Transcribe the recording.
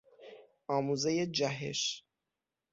آموزهی جهش